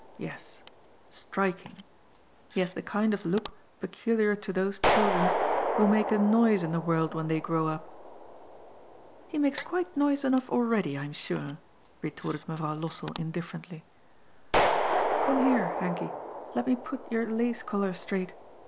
Yes, strik ing. He has the kind of look peculiar to those children who make a noise in the world when they grow up." ^ He makes quite noise enough already, I am sure," re torted Mevrouw Lossell indifferently. " Come here, Henky ; let me put your lace coUar straight.